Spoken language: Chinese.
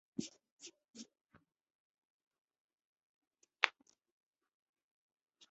是伊朗三个加色丁礼教区之一。